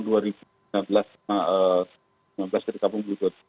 dari tahun dua ribu lima belas sampai tahun dua ribu sembilan belas